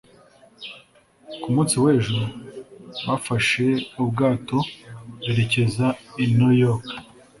ku munsi w'ejo, bafashe ubwato berekeza i new york